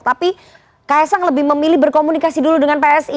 tapi kaisang lebih memilih berkomunikasi dulu dengan psi